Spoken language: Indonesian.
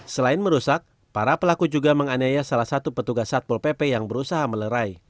selain merusak para pelaku juga menganiaya salah satu petugas satpol pp yang berusaha melerai